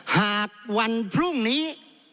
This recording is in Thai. หากวันพรุ่งนี้